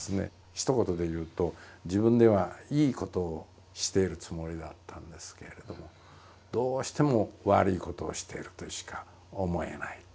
ひと言でいうと自分ではいいことをしているつもりだったんですけれどもどうしても悪いことをしているとしか思えない。